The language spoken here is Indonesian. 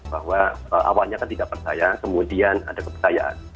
bahwa awalnya kan tidak percaya kemudian ada kepercayaan